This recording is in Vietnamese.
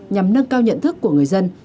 nhằm nâng cao nhận thức của người dân